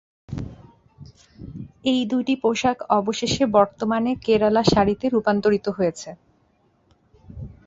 এই দুটি পোশাক অবশেষে বর্তমানে কেরালা শাড়ি তে রূপান্তরিত হয়েছে।